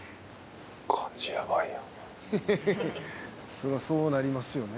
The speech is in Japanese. そらそうなりますよね。